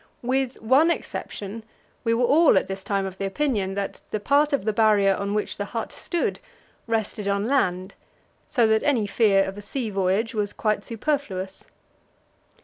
With one exception, we were all at this time of the opinion that the part of the Barrier on which the hut stood rested on land, so that any fear of a sea voyage was quite superfluous.